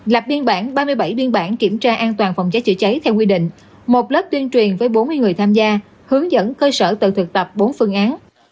lập biên bản ba mươi bảy biên bản kiểm tra an toàn phòng cháy chữa cháy theo quy định một lớp tuyên truyền với bốn mươi người tham gia hướng dẫn cơ sở tự thực tập bốn phương án